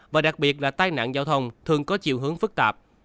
và đặc biệt là tai nạn giao thông thường có chiều hướng phức tạp